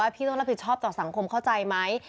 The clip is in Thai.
พี่ต้องรับผิดชอบต่อสังคมเข้าใจไหม